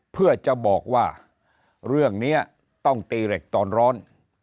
เพื่อจะบอกว่าเรื่องนี้ต้องตีเหล็กตอนร้อน